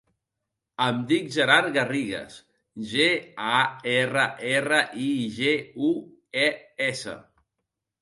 Em dic Gerard Garrigues: ge, a, erra, erra, i, ge, u, e, essa.